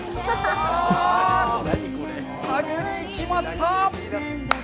さぁ、ハグにいきました。